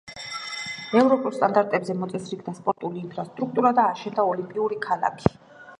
ევროპულ სტანდარტებზე მოწესრიგდა სპორტული ინფრასტრუქტურა და აშენდა ოლიმპიური ქალაქი.